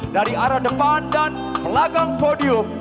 dari arah depan dan pelagang podium